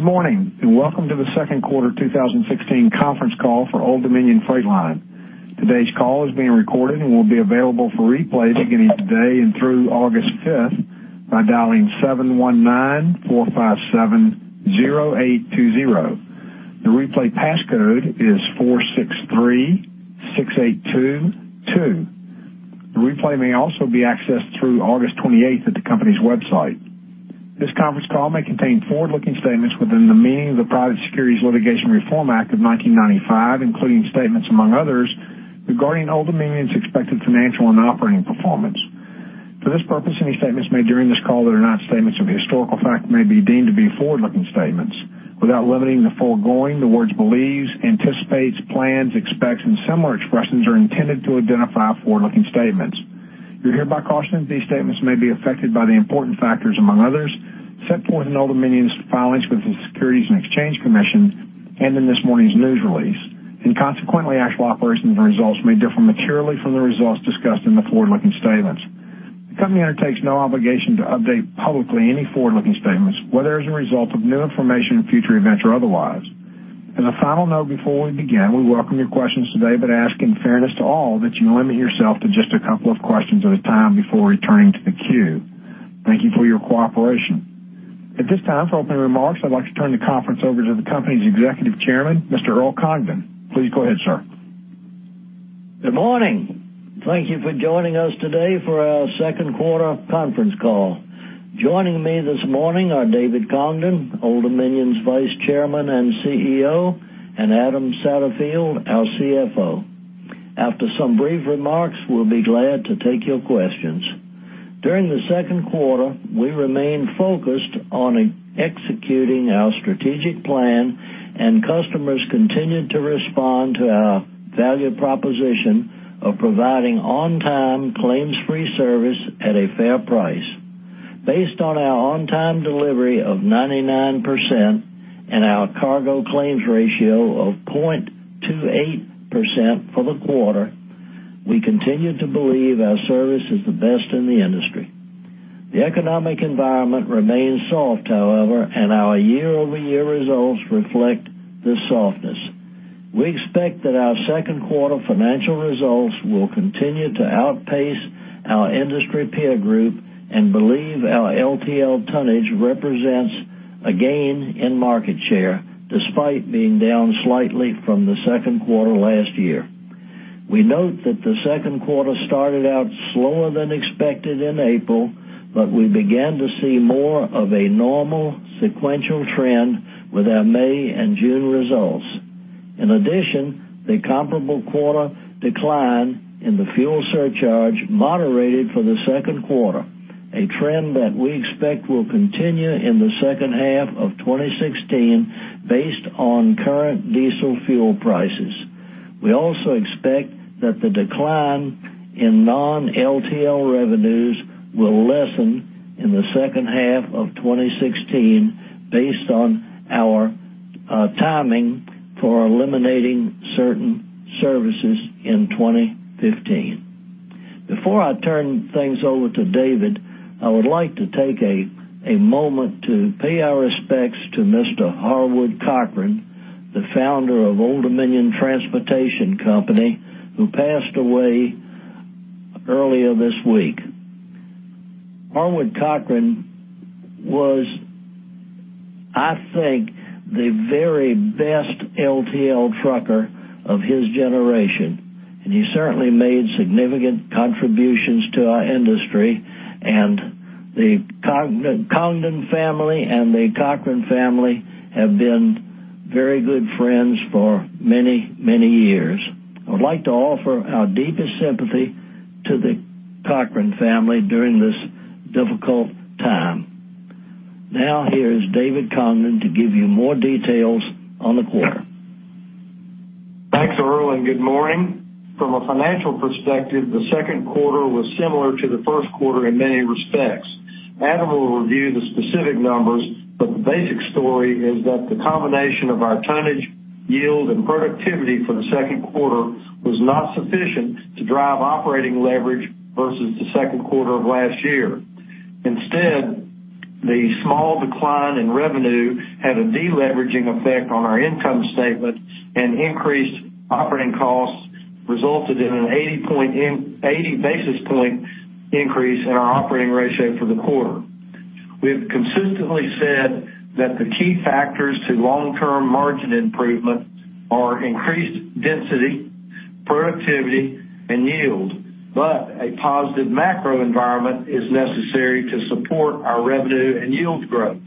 Good morning, and welcome to the second quarter 2016 conference call for Old Dominion Freight Line. Today's call is being recorded and will be available for replay beginning today and through August 5th by dialing 719-457-0820. The replay passcode is 4,636,822. The replay may also be accessed through August 28th at the company's website. This conference call may contain forward-looking statements within the meaning of the Private Securities Litigation Reform Act of 1995, including statements among others regarding Old Dominion's expected financial and operating performance. For this purpose, any statements made during this call that are not statements of historical fact may be deemed to be forward-looking statements. Without limiting the foregoing, the words believes, anticipates, plans, expects, and similar expressions are intended to identify forward-looking statements. You're hereby cautioned that these statements may be affected by the important factors, among others, set forth in Old Dominion's filings with the Securities and Exchange Commission and in this morning's news release. Consequently, actual operations results may differ materially from the results discussed in the forward-looking statements. The company undertakes no obligation to update publicly any forward-looking statements, whether as a result of new information, future events, or otherwise. As a final note before we begin, we welcome your questions today, but ask in fairness to all that you limit yourself to just a couple of questions at a time before returning to the queue. Thank you for your cooperation. At this time, for opening remarks, I'd like to turn the conference over to the company's Executive Chairman, Mr. Earl Congdon. Please go ahead, sir. Good morning. Thank you for joining us today for our second quarter conference call. Joining me this morning are David Congdon, Old Dominion's Vice Chairman and CEO, and Adam Satterfield, our CFO. After some brief remarks, we'll be glad to take your questions. During the second quarter, we remained focused on executing our strategic plan, and customers continued to respond to our value proposition of providing on-time, claims-free service at a fair price. Based on our on-time delivery of 99% and our cargo claims ratio of 0.28% for the quarter, we continue to believe our service is the best in the industry. The economic environment remains soft, however, and our year-over-year results reflect this softness. We expect that our second quarter financial results will continue to outpace our industry peer group and believe our LTL tonnage represents a gain in market share, despite being down slightly from the second quarter last year. We note that the second quarter started out slower than expected in April, but we began to see more of a normal sequential trend with our May and June results. In addition, the comparable quarter decline in the fuel surcharge moderated for the second quarter, a trend that we expect will continue in the second half of 2016 based on current diesel fuel prices. We also expect that the decline in non-LTL revenues will lessen in the second half of 2016 based on our timing for eliminating certain services in 2015. Before I turn things over to David, I would like to take a moment to pay our respects to Mr. Harwood Cochrane, the founder of Old Dominion Freight Line, who passed away earlier this week. Harwood Cochrane was, I think, the very best LTL trucker of his generation, and he certainly made significant contributions to our industry. The Congdon family and the Cochrane family have been very good friends for many, many years. I would like to offer our deepest sympathy to the Cochrane family during this difficult time. Here is David Congdon to give you more details on the quarter. Thanks, Earl, and good morning. From a financial perspective, the second quarter was similar to the first quarter in many respects. Adam will review the specific numbers, but the basic story is that the combination of our tonnage, yield, and productivity for the second quarter was not sufficient to drive operating leverage versus the second quarter of last year. Instead, the small decline in revenue had a de-leveraging effect on our income statement, and increased operating costs resulted in an 80 basis point increase in our operating ratio for the quarter. We have consistently said that the key factors to long-term margin improvement are increased density, productivity, and yield, but a positive macro environment is necessary to support our revenue and yield growth.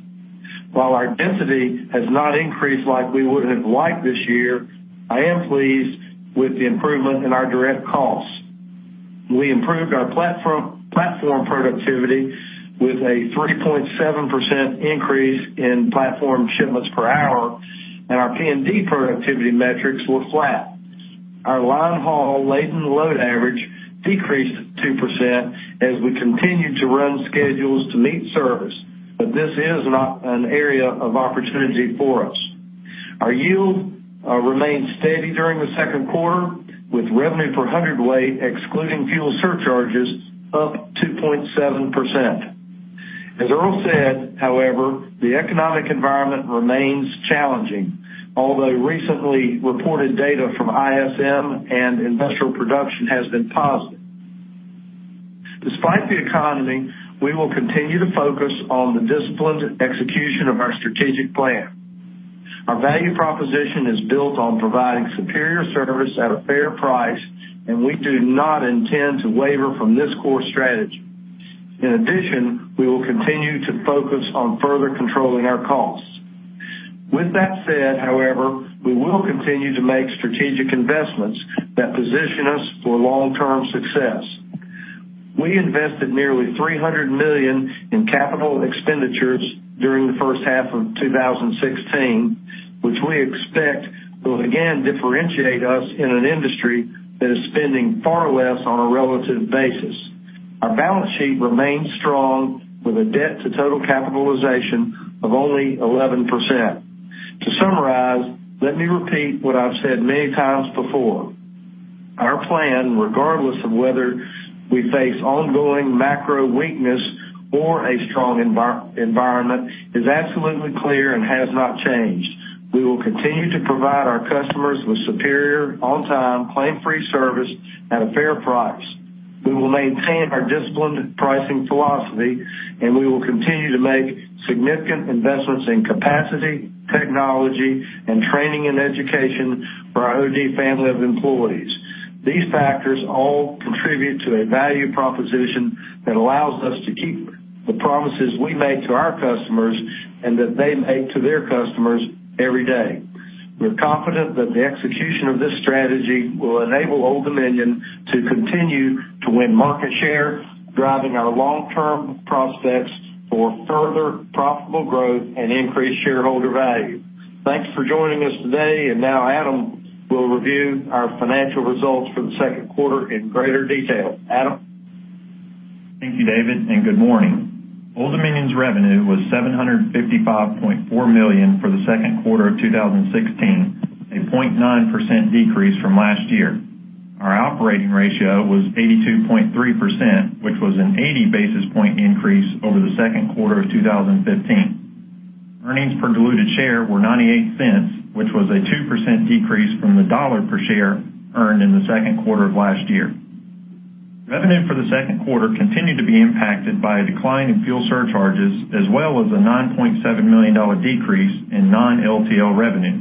While our density has not increased like we would have liked this year, I am pleased with the improvement in our direct costs. We improved our platform productivity with a 3.7% increase in platform shipments per hour, and our P&D productivity metrics were flat. Our line haul laden load average decreased 2% as we continued to run schedules to meet service. This is not an area of opportunity for us. Our yield remained steady during the second quarter, with revenue per hundred weight excluding fuel surcharges up 2.7%. As Earl said, however, the economic environment remains challenging, although recently reported data from ISM and industrial production has been positive. Despite the economy, we will continue to focus on the disciplined execution of our strategic plan. Our value proposition is built on providing superior service at a fair price. We do not intend to waver from this core strategy. In addition, we will continue to focus on further controlling our costs. With that said, however, we will continue to make strategic investments that position us for long-term success. We invested nearly $300 million in capital expenditures during the first half of 2016, which we expect will again differentiate us in an industry that is spending far less on a relative basis. Our balance sheet remains strong with a debt to total capitalization of only 11%. To summarize, let me repeat what I've said many times before. Our plan, regardless of whether we face ongoing macro weakness or a strong environment, is absolutely clear and has not changed. We will continue to provide our customers with superior on-time, claim-free service at a fair price. We will maintain our disciplined pricing philosophy, and we will continue to make significant investments in capacity, technology, and training, and education for our OD family of employees. These factors all contribute to a value proposition that allows us to keep the promises we made to our customers and that they make to their customers every day. We're confident that the execution of this strategy will enable Old Dominion to continue to win market share, driving our long-term prospects for further profitable growth and increased shareholder value. Thanks for joining us today. Now Adam will review our financial results for the second quarter in greater detail. Adam? Thank you, David, and good morning. Old Dominion's revenue was $755.4 million for the second quarter of 2016, a 0.9% decrease from last year. Our operating ratio was 82.3%, which was an 80 basis point increase over the second quarter of 2015. Earnings per diluted share were $0.98, which was a 2% decrease from the $1 per share earned in the second quarter of last year. Revenue for the second quarter continued to be impacted by a decline in fuel surcharges, as well as a $9.7 million decrease in non-LTL revenue.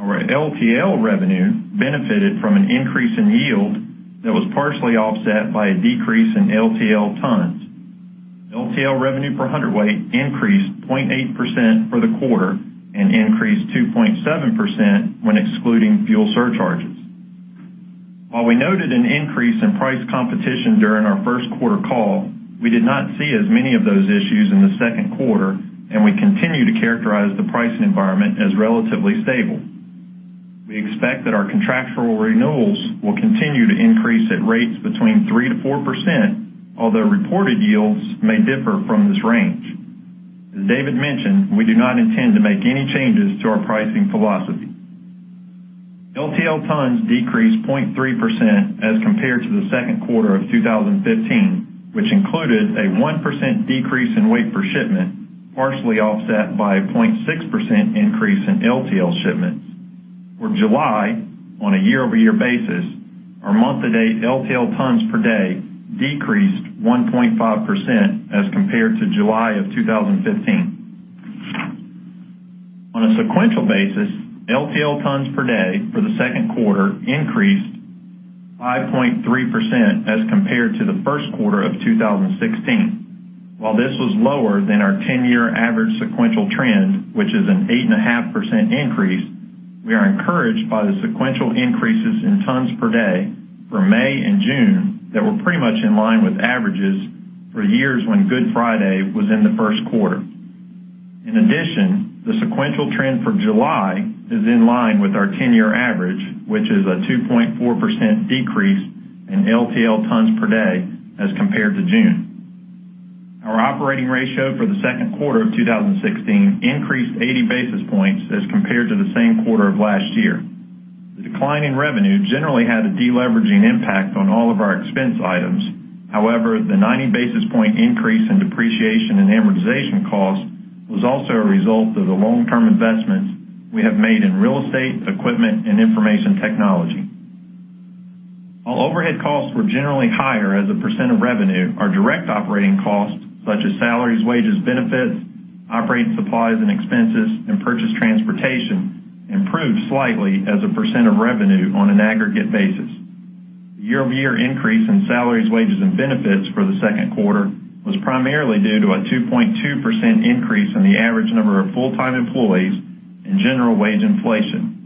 Our LTL revenue benefited from an increase in yield that was partially offset by a decrease in LTL tons. LTL revenue per hundredweight increased 0.8% for the quarter and increased 2.7% when excluding fuel surcharges. While we noted an increase in price competition during our first quarter call, we did not see as many of those issues in the second quarter, and we continue to characterize the pricing environment as relatively stable. We expect that our contractual renewals will continue to increase at rates between 3%-4%, although reported yields may differ from this range. As David mentioned, we do not intend to make any changes to our pricing philosophy. LTL tons decreased 0.3% as compared to the second quarter of 2015, which included a 1% decrease in weight per shipment, partially offset by a 0.6% increase in LTL shipments. For July, on a year-over-year basis, our month-to-date LTL tons per day decreased 1.5% as compared to July of 2015. On a sequential basis, LTL tons per day for the second quarter increased 5.3% as compared to the first quarter of 2016. While this was lower than our 10-year average sequential trend, which is an 8.5% increase, we are encouraged by the sequential increases in tons per day for May and June that were pretty much in line with averages for years when Good Friday was in the first quarter. In addition, the sequential trend for July is in line with our 10-year average, which is a 2.4% decrease in LTL tons per day as compared to June. Our operating ratio for the second quarter of 2016 increased 80 basis points as compared to the same quarter of last year. The decline in revenue generally had a deleveraging impact on all of our expense items. However, the 90 basis point increase in depreciation and amortization costs was also a result of the long-term investments we have made in real estate, equipment, and information technology. While overhead costs were generally higher as a percent of revenue, our direct operating costs, such as salaries, wages, benefits, operating supplies and expenses, and purchased transportation, improved slightly as a percent of revenue on an aggregate basis. The year-over-year increase in salaries, wages, and benefits for the second quarter was primarily due to a 2.2% increase in the average number of full-time employees and general wage inflation.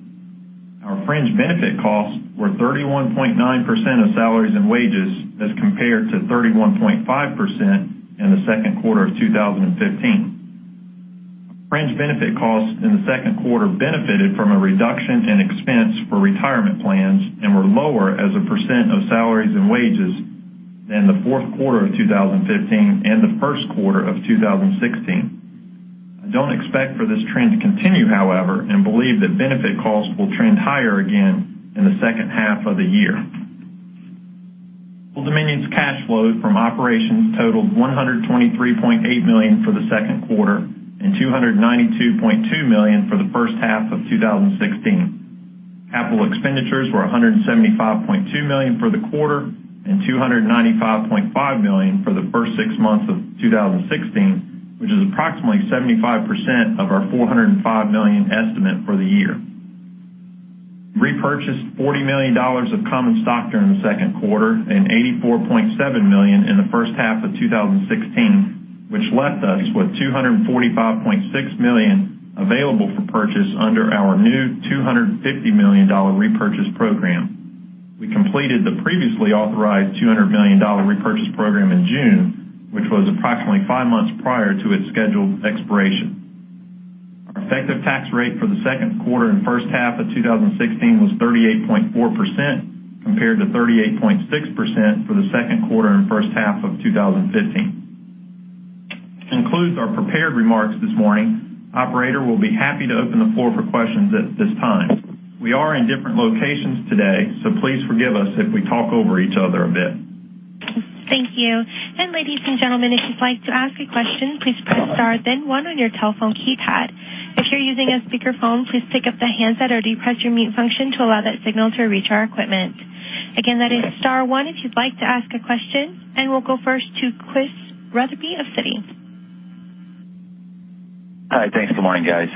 Our fringe benefit costs were 31.9% of salaries and wages as compared to 31.5% in the second quarter of 2015. Fringe benefit costs in the second quarter benefited from a reduction in expense for retirement plans and were lower as a percent of salaries and wages than the fourth quarter of 2015 and the first quarter of 2016. I don't expect for this trend to continue, however, and believe that benefit costs will trend higher again in the second half of the year. Old Dominion's cash flow from operations totaled $123.8 million for the second quarter and $292.2 million for the first half of 2016. Capital expenditures were $175.2 million for the quarter and $295.5 million for the first six months of 2016, which is approximately 75% of our $405 million estimate for the year. We repurchased $40 million of common stock during the second quarter and $84.7 million in the first half of 2016, which left us with $245.6 million available for purchase under our new $250 million repurchase program. We completed the previously authorized $200 million repurchase program in June, which was approximately five months prior to its scheduled expiration. Our effective tax rate for the second quarter and first half of 2016 was 38.4%, compared to 38.6% for the second quarter and first half of 2015. This concludes our prepared remarks this morning. Operator, we will be happy to open the floor for questions at this time. We are in different locations today, so please forgive us if we talk over each other a bit. Thank you. Ladies and gentlemen, if you'd like to ask a question, please press star then 1 on your telephone keypad. If you're using a speakerphone, please pick up the handset or depress your mute function to allow that signal to reach our equipment. Again, that is star 1 if you'd like to ask a question, we'll go first to Chris Rutsey of Citi. Hi. Thanks. Good morning, guys.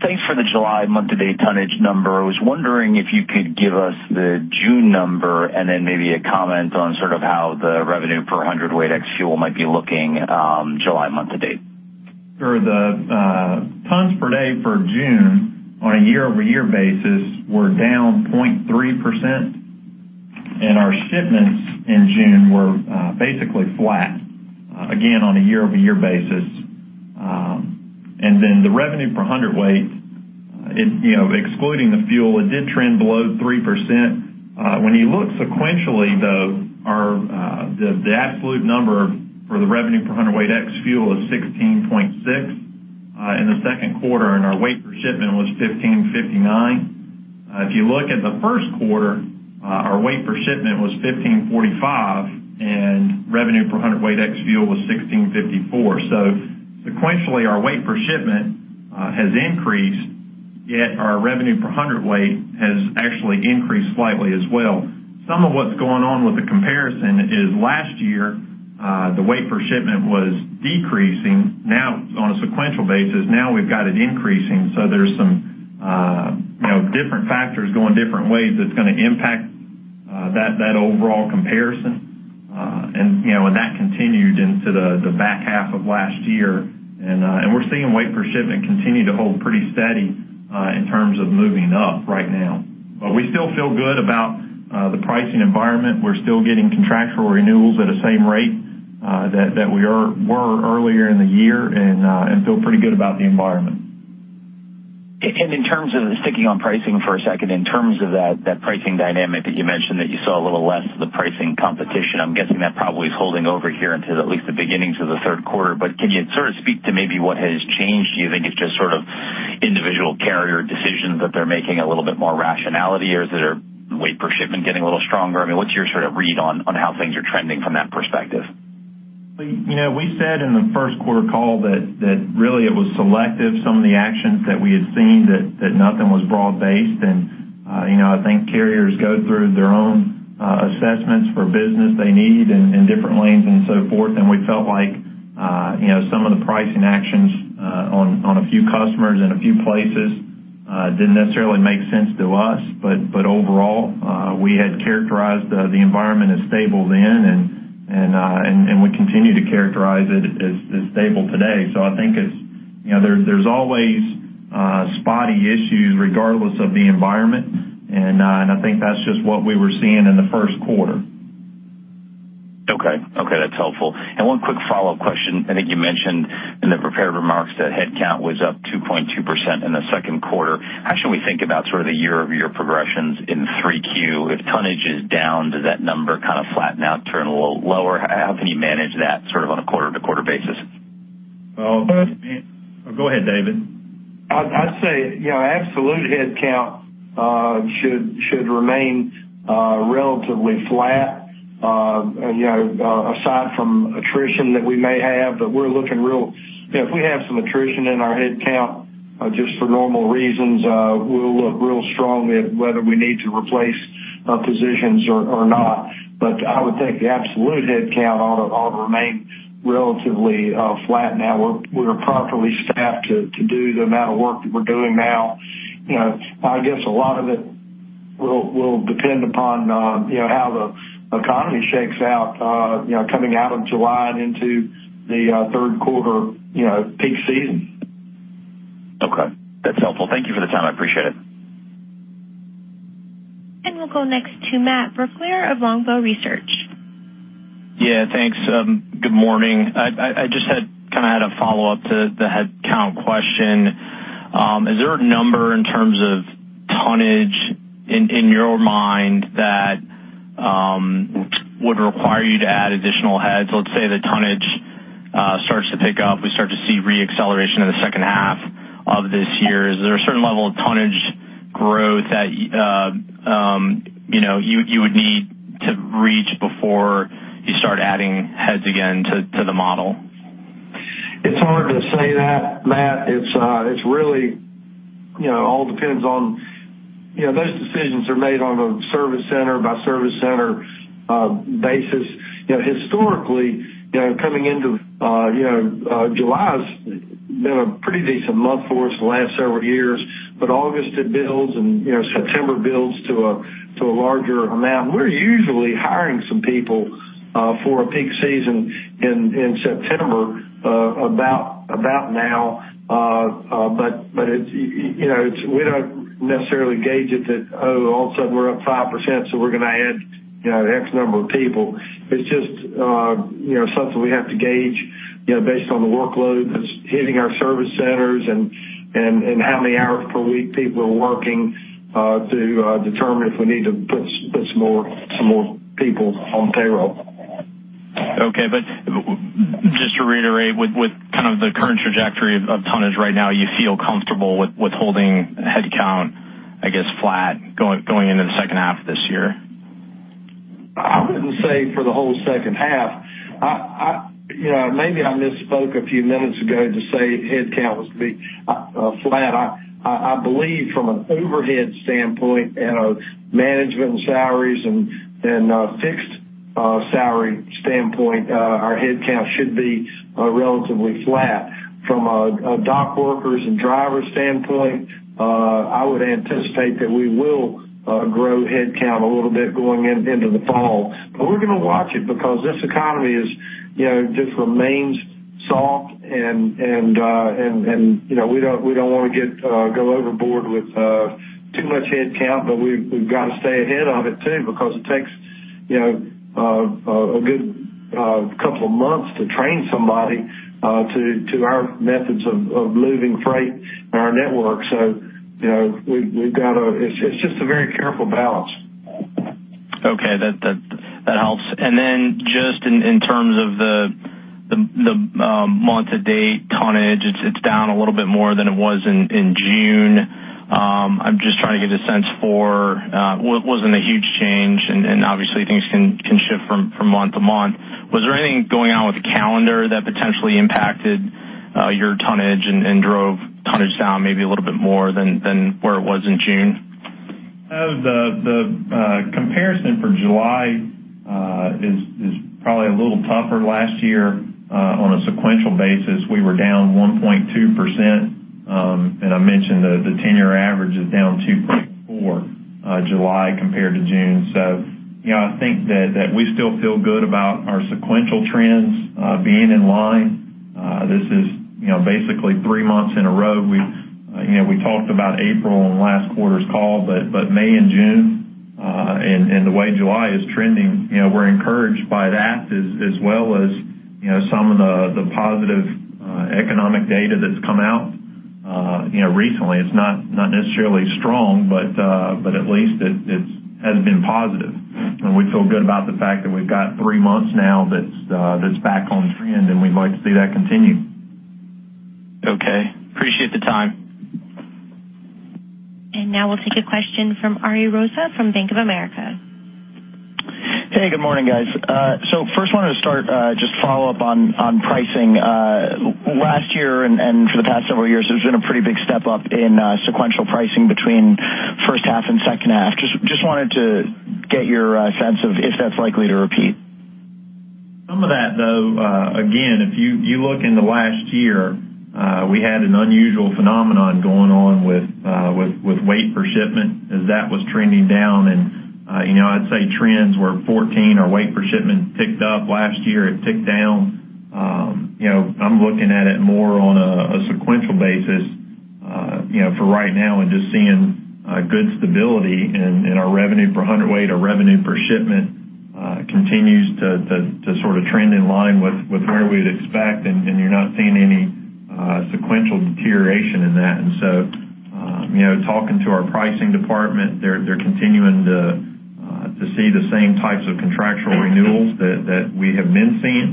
Thanks for the July month-to-date tonnage number. I was wondering if you could give us the June number, maybe a comment on sort of how the revenue per hundredweight ex fuel might be looking July month-to-date. Sure. The tons per day for June on a year-over-year basis were down 0.3%, our shipments in June were basically flat, again, on a year-over-year basis. Then the revenue per hundredweight, excluding the fuel, it did trend below 3%. When you look sequentially, though, the absolute number for the revenue per hundredweight ex fuel is 16.6 in the second quarter, our weight per shipment was 1,559. If you look at the first quarter, our weight per shipment was 1,545, revenue per hundredweight ex fuel was 16.54. Sequentially, our weight per shipment has increased, yet our revenue per hundredweight has actually increased slightly as well. Some of what's going on with the comparison is last year, the weight per shipment was decreasing. On a sequential basis, now we've got it increasing, there's some different factors going different ways that's going to impact that overall comparison. That continued into the back half of last year. We're seeing weight per shipment continue to hold pretty steady in terms of moving up right now. We still feel good about the pricing environment. We're still getting contractual renewals at the same rate that we were earlier in the year and feel pretty good about the environment. In terms of sticking on pricing for a second, in terms of that pricing dynamic that you mentioned, that you saw a little less of the pricing competition, I'm guessing that probably is holding over here into at least the beginnings of the third quarter. Can you sort of speak to maybe what has changed? Do you think it's just sort of individual carrier decisions that they're making a little bit more rationality, or is their weight per shipment getting a little stronger? I mean, what's your sort of read on how things are trending from that perspective? We said in the first quarter call that really it was selective, some of the actions that we had seen, that nothing was broad-based. I think carriers go through their own assessments for business they need in different lanes and so forth. We felt like some of the pricing actions on a few customers in a few places didn't necessarily make sense to us. Overall, we had characterized the environment as stable then, and we continue to characterize it as stable today. I think there's always spotty issues regardless of the environment, and I think that's just what we were seeing in the first quarter. Okay. That's helpful. One quick follow-up question. I think you mentioned in the prepared remarks that headcount was up 2.2% in the second quarter. How should we think about sort of the year-over-year progressions in 3Q? If tonnage is down, does that number kind of flatten out, turn a little lower? How can you manage that sort of on a quarter-to-quarter basis? Well, Go ahead, David. I'd say absolute headcount should remain relatively flat. Aside from attrition that we may have, we're looking real strongly at whether we need to replace positions or not. I would think the absolute headcount ought to remain relatively flat. We're properly staffed to do the amount of work that we're doing now. I guess a lot of it will depend upon how the economy shakes out coming out of July and into the third quarter peak season. Okay. That's helpful. Thank you for the time. I appreciate it. We'll go next to Matt Brooklier of Longbow Research. Yeah. Thanks. Good morning. I just had a follow-up to the headcount question. Is there a number in terms of tonnage, in your mind, that would require you to add additional heads? Let's say the tonnage starts to pick up. We start to see re-acceleration in the second half of this year. Is there a certain level of tonnage growth that you would need to reach before you start adding heads again to the model? It's hard to say that, Matt. Those decisions are made on a service center by service center basis. Historically, coming into July has been a pretty decent month for us the last several years. August it builds and September builds to a larger amount. We're usually hiring some people for a peak season in September about now. We don't necessarily gauge it that, oh, all of a sudden we're up 5%, so we're going to add X number of people. It's just something we have to gauge based on the workload that's hitting our service centers and how many hours per week people are working to determine if we need to put some more people on payroll. Okay. Just to reiterate, with the current trajectory of tonnage right now, you feel comfortable with holding headcount, I guess, flat going into the second half of this year? I wouldn't say for the whole second half. Maybe I misspoke a few minutes ago to say headcount was going to be flat. I believe from an overhead standpoint and a management salaries and a fixed salary standpoint, our headcount should be relatively flat. From a dock workers and drivers standpoint, I would anticipate that we will grow headcount a little bit going into the fall. We're going to watch it because this economy just remains soft and we don't want to go overboard with too much headcount. We've got to stay ahead of it too because it takes a good couple of months to train somebody to our methods of moving freight in our network. It's just a very careful balance. Okay. That helps. Just in terms of the month to date tonnage, it's down a little bit more than it was in June. I'm just trying to get a sense for what wasn't a huge change, and obviously things can shift from month to month. Was there anything going on with the calendar that potentially impacted your tonnage and drove tonnage down maybe a little bit more than where it was in June? The comparison for July is probably a little tougher. Last year, on a sequential basis, we were down 1.2%, and I mentioned the 10-year average is down 2.4% July compared to June. Yeah, I think that we still feel good about our sequential trends being in line. This is basically three months in a row. We talked about April in last quarter's call, but May and June, and the way July is trending, we're encouraged by that as well as some of the positive economic data that's come out recently. It's not necessarily strong, but at least it has been positive. We feel good about the fact that we've got three months now that's back on trend, and we'd like to see that continue. Okay. Appreciate the time. Now we'll take a question from Ari Rosa from Bank of America. Hey, good morning, guys. First wanted to start, just follow up on pricing. Last year and for the past several years, there's been a pretty big step up in sequential pricing between first half and second half. Just wanted to get your sense of if that's likely to repeat. Some of that, though, again, if you look in the last year, we had an unusual phenomenon going on with weight per shipment, as that was trending down. I'd say trends where 14, our weight per shipment ticked up. Last year, it ticked down. I'm looking at it more on a sequential basis for right now and just seeing good stability in our revenue per hundredweight. Our revenue per shipment continues to sort of trend in line with where we'd expect, you're not seeing any sequential deterioration in that. Talking to our pricing department, they're continuing to see the same types of contractual renewals that we have been seeing.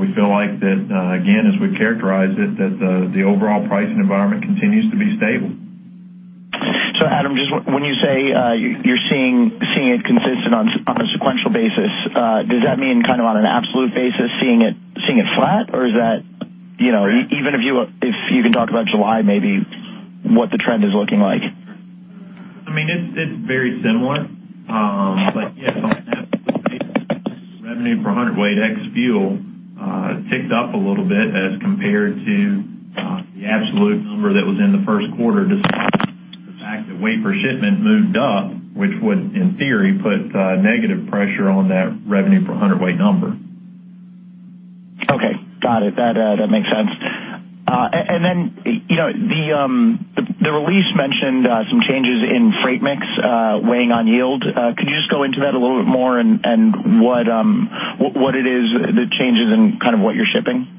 We feel like that, again, as we characterize it, that the overall pricing environment continues to be stable. Adam, just when you say you're seeing it consistent on a sequential basis, does that mean on an absolute basis, seeing it flat? Or even if you can talk about July maybe, what the trend is looking like. It's very similar. Yes, on an absolute basis, revenue per hundredweight ex fuel ticked up a little bit as compared to the absolute number that was in the first quarter, despite the fact that weight per shipment moved up, which would, in theory, put negative pressure on that revenue per hundredweight number. Got it. That makes sense. Then, the release mentioned some changes in freight mix weighing on yield. Could you just go into that a little bit more and what it is, the changes and what you're shipping?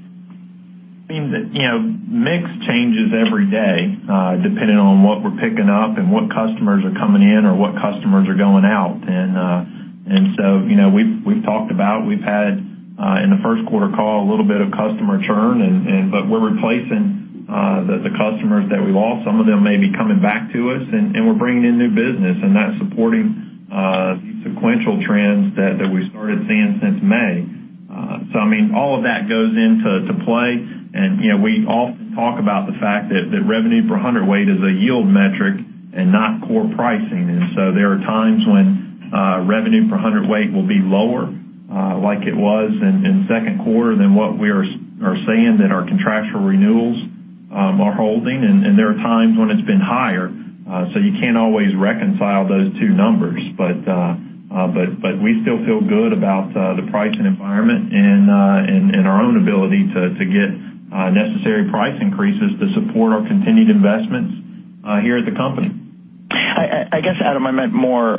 Mix changes every day, depending on what we're picking up and what customers are coming in or what customers are going out. We've talked about, in the first quarter call, a little bit of customer churn, but we're replacing the customers that we lost. Some of them may be coming back to us, and we're bringing in new business, and that's supporting the sequential trends that we started seeing since May. All of that goes into play, and we often talk about the fact that revenue per hundredweight is a yield metric and not core pricing. There are times when revenue per hundredweight will be lower, like it was in the second quarter than what we are saying that our contractual renewals are holding. There are times when it's been higher. You can't always reconcile those two numbers, but we still feel good about the pricing environment and our own ability to get necessary price increases to support our continued investments here at the company. I guess, Adam, I meant more,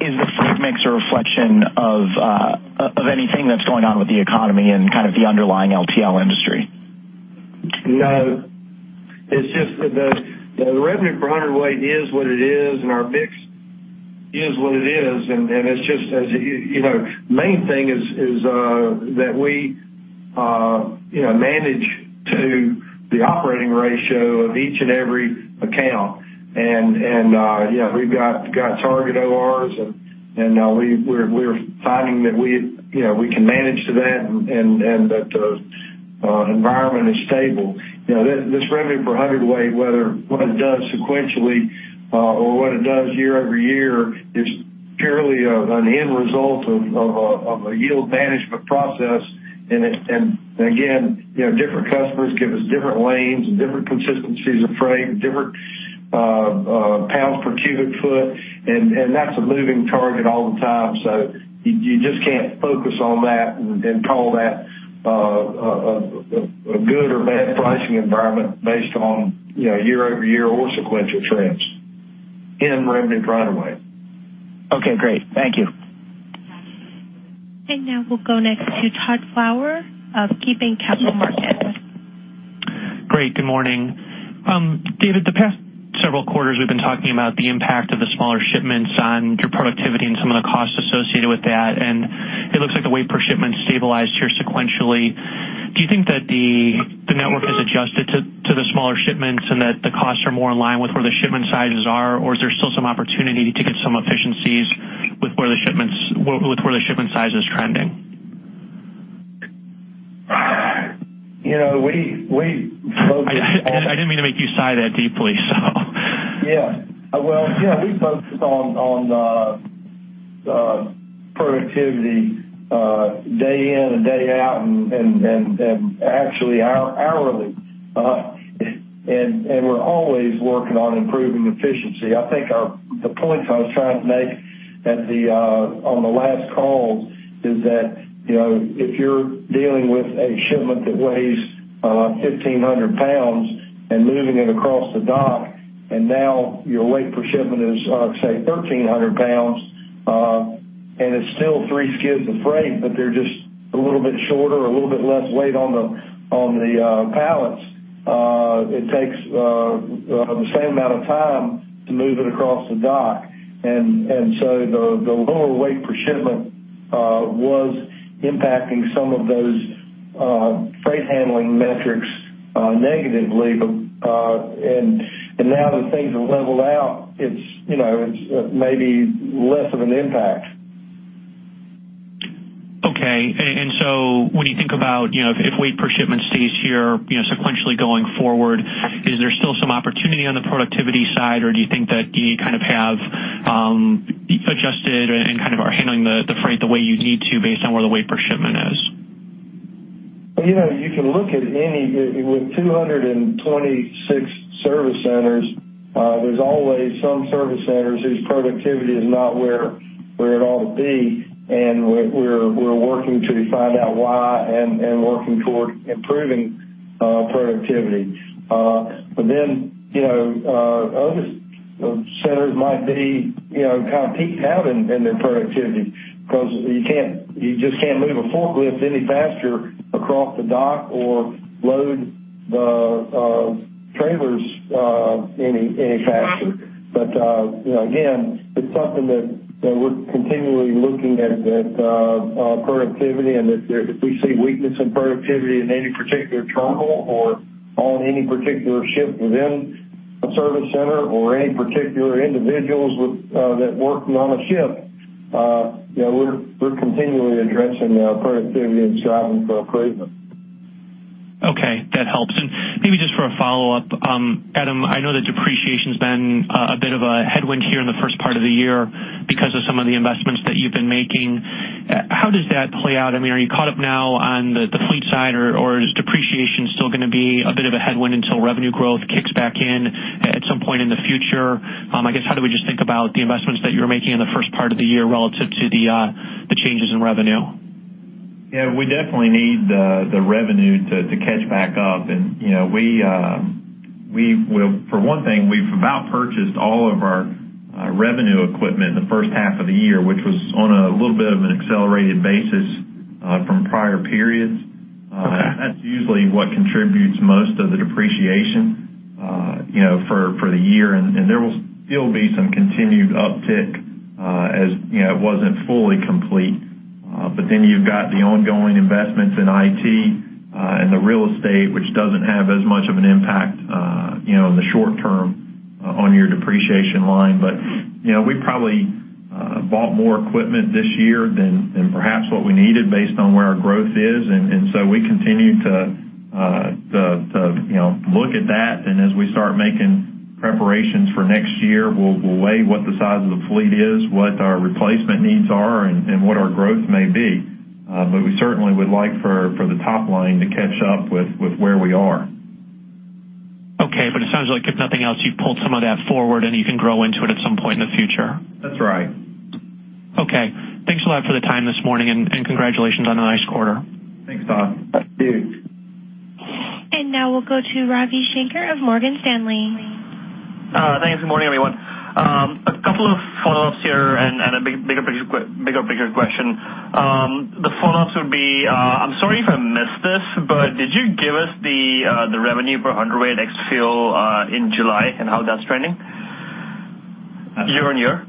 is the freight mix a reflection of anything that's going on with the economy and the underlying LTL industry? No. It's just that the revenue per hundredweight is what it is, and our mix is what it is. The main thing is that we manage to the operating ratio of each and every account. We've got target ORs, and we're finding that we can manage to that and that the environment is stable. This revenue per hundredweight, what it does sequentially, or what it does year-over-year, is purely an end result of a yield management process. Again, different customers give us different lanes and different consistencies of freight, different pounds per cubic foot, and that's a moving target all the time. You just can't focus on that and call that a good or bad pricing environment based on year-over-year or sequential trends in revenue per hundredweight. Okay, great. Thank you. Now we'll go next to Todd Fowler of KeyBanc Capital Markets. Great. Good morning. David, the past several quarters we've been talking about the impact of the smaller shipments on your productivity and some of the costs associated with that. It looks like the weight per shipment stabilized here sequentially. Do you think that the network has adjusted to the smaller shipments and that the costs are more in line with where the shipment sizes are, or is there still some opportunity to get some efficiencies with where the shipment size is trending? We focus on. I didn't mean to make you sigh that deeply, so Yeah. Well, we focus on productivity day in and day out and actually hourly. We're always working on improving efficiency. I think the point I was trying to make on the last call is that if you're dealing with a shipment that weighs 1,500 pounds and moving it across the dock, your weight per shipment is, let's say, 1,300 pounds, and it's still three skids of freight, but they're just a little bit shorter or a little bit less weight on the pallets, it takes the same amount of time to move it across the dock. The lower weight per shipment was impacting some of those freight handling metrics negatively. Now that things have leveled out, it's maybe less of an impact. Okay. When you think about if weight per shipment stays here sequentially going forward, is there still some opportunity on the productivity side, or do you think that you have adjusted and are handling the freight the way you need to based on where the weight per shipment is? You can look at any. With 226 service centers, there's always some service centers whose productivity is not where it ought to be, and we're working to find out why and working toward improving productivity. Other centers might be kind of peaked out in their productivity because you just can't move a forklift any faster across the dock or load the trailers any faster. Again, it's something that we're continually looking at productivity, and if we see weakness in productivity in any particular terminal or on any particular shift within a service center or any particular individuals that working on a shift, we're continually addressing productivity and striving for improvement. Okay. That helps. Maybe just for a follow-up. Adam, I know that depreciation's been a bit of a headwind here in the first part of the year because of some of the investments that you've been making. How does that play out? Are you caught up now on the fleet side, or is depreciation still going to be a bit of a headwind until revenue growth kicks back in? In the future, I guess, how do we just think about the investments that you're making in the first part of the year relative to the changes in revenue? We definitely need the revenue to catch back up. For one thing, we've about purchased all of our revenue equipment in the first half of the year, which was on a little bit of an accelerated basis from prior periods. Okay. That's usually what contributes most of the depreciation for the year. There will still be some continued uptick as it wasn't fully complete. You've got the ongoing investments in IT and the real estate, which doesn't have as much of an impact in the short term on your depreciation line. We probably bought more equipment this year than perhaps what we needed based on where our growth is. We continue to look at that, and as we start making preparations for next year, we'll weigh what the size of the fleet is, what our replacement needs are, and what our growth may be. We certainly would like for the top line to catch up with where we are. Okay. It sounds like if nothing else, you've pulled some of that forward, and you can grow into it at some point in the future. That's right. Okay. Thanks a lot for the time this morning, congratulations on a nice quarter. Thanks, Todd. Now we'll go to Ravi Shanker of Morgan Stanley. Thanks. Good morning, everyone. A couple of follow-ups here and a bigger picture question. The follow-ups would be, I'm sorry if I missed this, did you give us the revenue per hundredweight ex fuel in July and how that's trending year-on-year?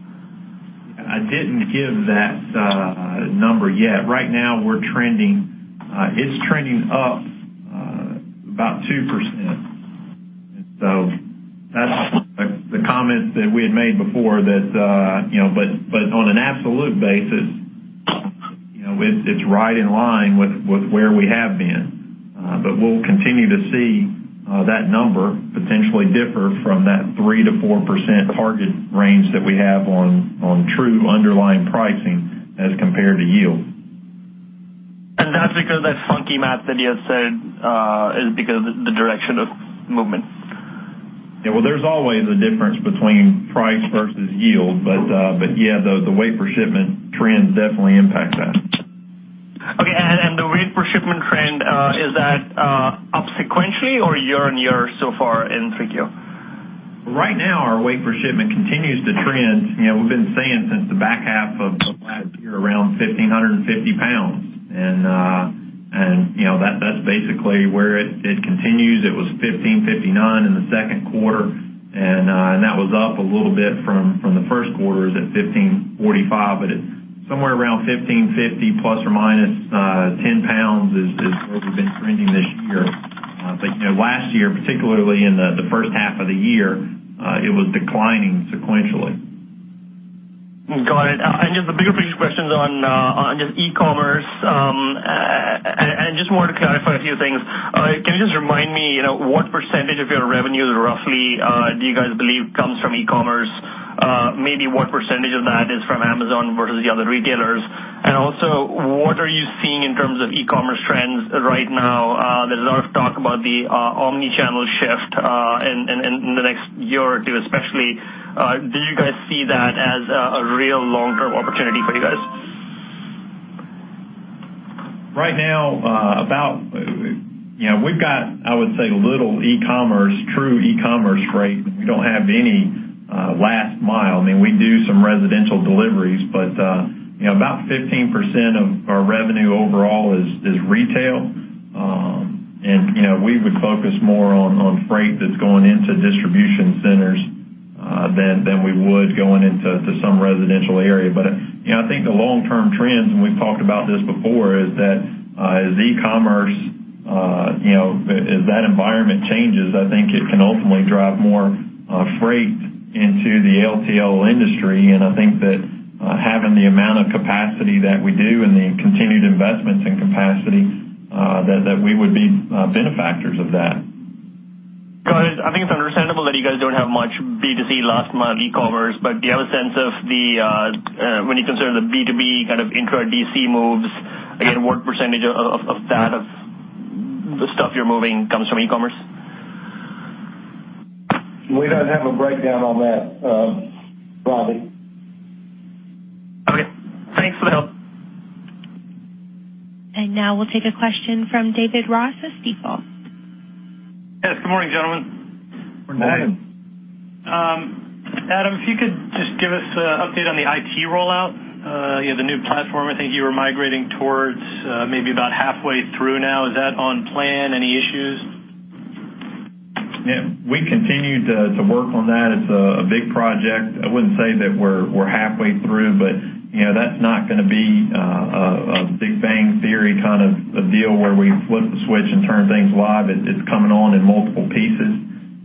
I didn't give that number yet. Right now, it's trending up about 2%. That's the comments that we had made before. On an absolute basis, it's right in line with where we have been. We'll continue to see that number potentially differ from that 3%-4% target range that we have on true underlying pricing as compared to yield. That's because that funky math that you had said is because the direction of movement? Yeah. Well, there's always a difference between price versus yield. Yeah, the weight per shipment trends definitely impact that. Okay. The weight per shipment trend, is that up sequentially or year-on-year so far in 3Q? Right now, our weight per shipment continues to trend. We've been saying since the back half of last year, around 1,550 pounds. That's basically where it continues. It was 1,559 in the second quarter, that was up a little bit from the first quarter at 1,545. It's somewhere around 1,550 ±10 pounds is where we've been trending this year. Last year, particularly in the first half of the year, it was declining sequentially. Got it. Just the bigger picture questions on just e-commerce. I just wanted to clarify a few things. Can you just remind me what percentage of your revenue roughly do you guys believe comes from e-commerce? Maybe what percentage of that is from Amazon versus the other retailers? Also, what are you seeing in terms of e-commerce trends right now? There's a lot of talk about the omni-channel shift in the next year or two especially. Do you guys see that as a real long-term opportunity for you guys? Right now, we've got, I would say, little true e-commerce freight. We don't have any last mile. We do some residential deliveries, but about 15% of our revenue overall is retail. We would focus more on freight that's going into distribution centers than we would going into some residential area. I think the long-term trends, and we've talked about this before, is that as e-commerce, as that environment changes, I think it can ultimately drive more freight into the LTL industry. I think that having the amount of capacity that we do and the continued investments in capacity, that we would be benefactors of that. Got it. I think it's understandable that you guys don't have much B2C last mile e-commerce. Do you have a sense of when you consider the B2B kind of intra DC moves, again, what percentage of that of the stuff you're moving comes from e-commerce? We don't have a breakdown on that, Ravi. Okay. Thanks for the help. Now we'll take a question from David Ross of Stifel. Yes. Good morning, gentlemen. Morning. Morning. Adam, if you could just give us an update on the IT rollout. You have the new platform I think you were migrating towards maybe about halfway through now. Is that on plan? Any issues? Yeah. We continue to work on that. It's a big project. That's not going to be a big bang theory kind of a deal where we flip the switch and turn things live. It's coming on in multiple pieces.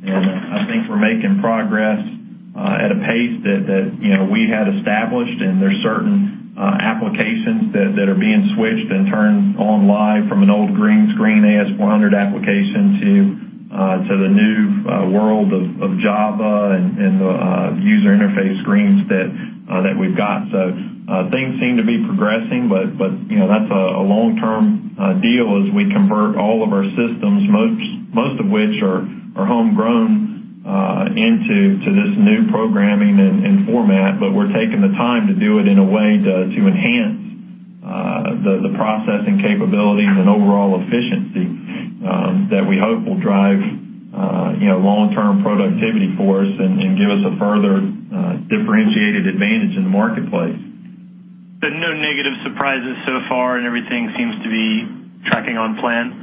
I think we're making progress at a pace that we had established. There's certain applications that are being switched and turned on live from an old green screen AS400 application to the new world of Java and the user interface screens that we've got. Things seem to be progressing. That's a long-term deal as we convert all of our systems, most of which are homegrown into this new programming and format. We're taking the time to do it in a way to enhance the processing capabilities and overall efficiency that we hope will drive long-term productivity for us and give us a further differentiated advantage in the marketplace. no negative surprises so far, and everything seems to be tracking on plan?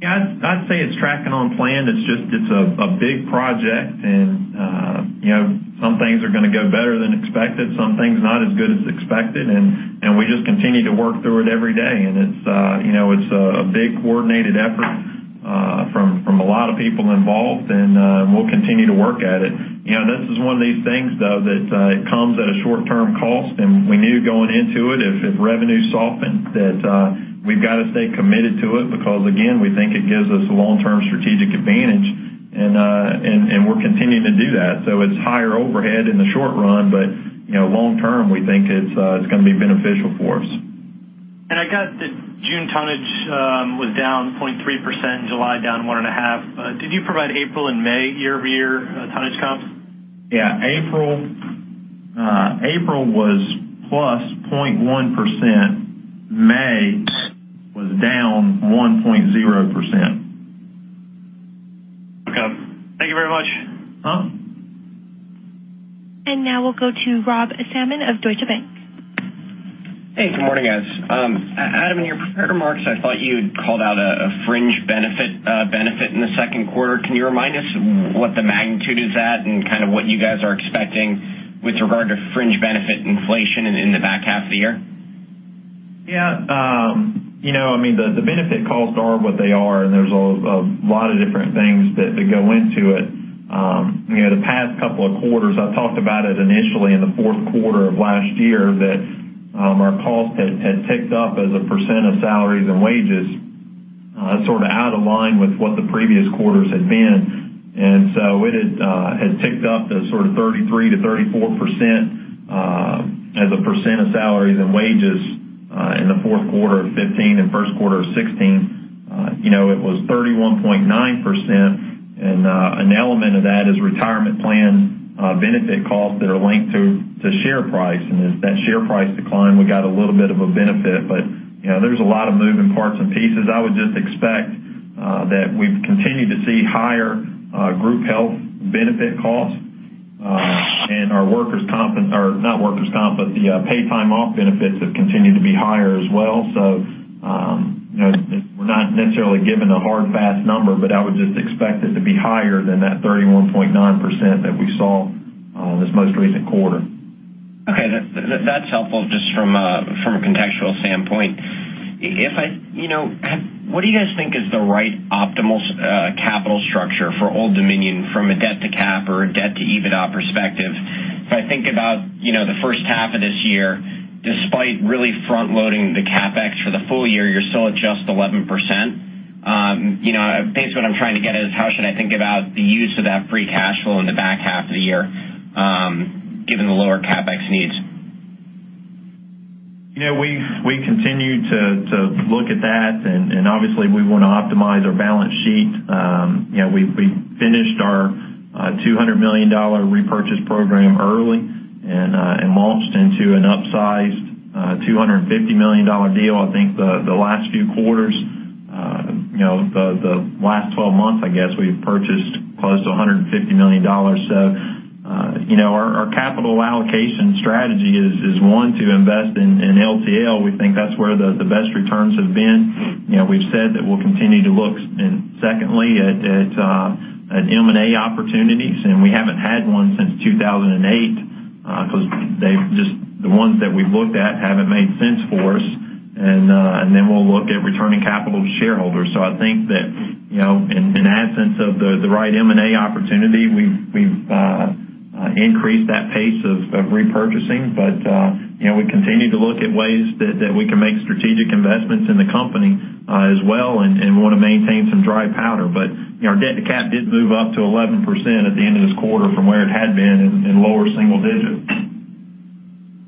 Yeah, I'd say it's tracking on plan. It's just a big project, and some things are going to go better than expected, some things not as good as expected, and we just continue to work through it every day. It's a big coordinated effort from a lot of people involved, and we'll continue to work at it. This is one of these things, though, that it comes at a short-term cost, and we knew going into it, if revenue softened, that we've got to stay committed to it because, again, we think it gives us a long-term strategic advantage, and we're continuing to do that. It's higher overhead in the short run, but long term, we think it's going to be beneficial for us. I got that June tonnage was down 0.3%, July down 1.5%. Did you provide April and May year-over-year tonnage comps? Yeah. April was plus 0.1%. May was down 1.0%. Okay. Thank you very much. Now we'll go to Rob Salmon of Deutsche Bank. Hey, good morning, guys. Adam, in your prepared remarks, I thought you had called out a fringe benefit in the second quarter. Can you remind us what the magnitude is at and what you guys are expecting with regard to fringe benefit inflation in the back half of the year? Yeah. The benefit costs are what they are, there's a lot of different things that go into it. The past couple of quarters, I talked about it initially in the fourth quarter of last year that our cost had ticked up as a percent of salaries and wages sort of out of line with what the previous quarters had been. So it had ticked up to 33%-34% as a percent of salaries and wages in the fourth quarter of 2015 and first quarter of 2016. It was 31.9%, an element of that is retirement plan benefit costs that are linked to share price. As that share price declined, we got a little bit of a benefit, but there's a lot of moving parts and pieces. I would just expect that we've continued to see higher group health benefit costs. Our paid time off benefits have continued to be higher as well. We're not necessarily given a hard, fast number, but I would just expect it to be higher than that 31.9% that we saw this most recent quarter. Okay. That's helpful just from a contextual standpoint. What do you guys think is the right optimal capital structure for Old Dominion from a debt to cap or a debt to EBITDA perspective? If I think about the first half of this year, despite really front loading the CapEx for the full year, you're still at just 11%. Basically, what I'm trying to get at is how should I think about the use of that free cash flow in the back half of the year given the lower CapEx needs? We continue to look at that. Obviously, we want to optimize our balance sheet. We finished our $200 million repurchase program early and launched into an upsized $250 million deal. I think the last few quarters, the last 12 months, I guess, we've purchased close to $150 million. Our capital allocation strategy is, one, to invest in LTL. We think that's where the best returns have been. We've said that we'll continue to look, and secondly, at M&A opportunities. We haven't had one since 2008 because the ones that we've looked at haven't made sense for us. Then we'll look at returning capital to shareholders. I think that in absence of the right M&A opportunity, we've increased that pace of repurchasing. We continue to look at ways that we can make strategic investments in the company as well and want to maintain some dry powder. Our debt to cap did move up to 11% at the end of this quarter from where it had been in lower single digit.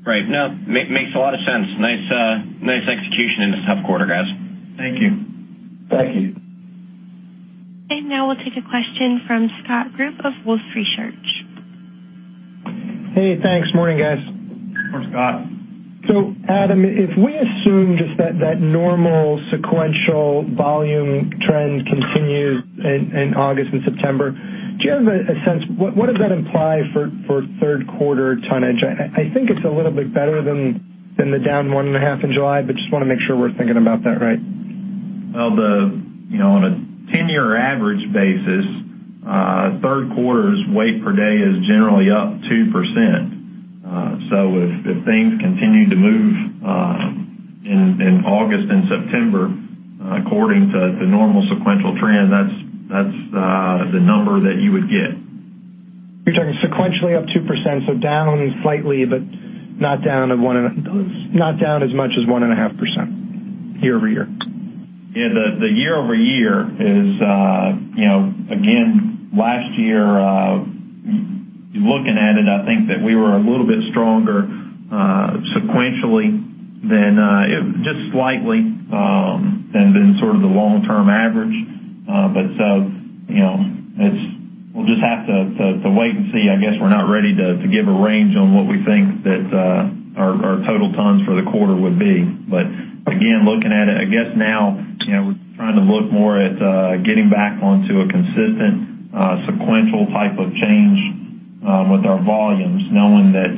Right. No, makes a lot of sense. Nice execution in a tough quarter, guys. Thank you. Thank you. Now we'll take a question from Scott Group of Wolfe Research. Hey, thanks. Morning, guys. Morning, Scott. Adam, if we assume just that normal sequential volume trend continues in August and September, do you have a sense, what does that imply for third quarter tonnage? I think it's a little bit better than the down one and a half in July, just want to make sure we're thinking about that right. Well, on a 10-year average basis, third quarter's weight per day is generally up 2%. If things continue to move in August and September according to the normal sequential trend, that's the number that you would get. You're talking sequentially up 2%, so down slightly, but not down as much as 1.5% year-over-year? Yeah. The year-over-year is, again, last year, looking at it, I think that we were a little bit stronger sequentially, just slightly, than been sort of the long-term average. We'll just have to wait and see. I guess we're not ready to give a range on what we think that our total tons for the quarter would be. Again, looking at it, I guess now, we're trying to look more at getting back onto a consistent sequential type of change with our volumes, knowing that,